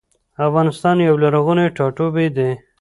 افغانستان يو لرغوني ټاټوبي دي